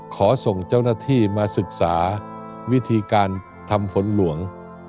ส่งเจ้าหน้าที่มาศึกษาวิธีการทำฝนหลวง